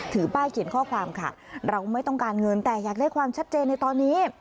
ป้ายเขียนข้อความค่ะเราไม่ต้องการเงินแต่อยากได้ความชัดเจนในตอนนี้